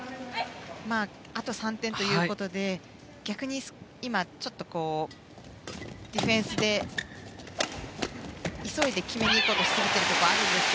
あと３点ということで逆に、今はちょっとディフェンスで急いで決めに行こうとしすぎているところがあると思います。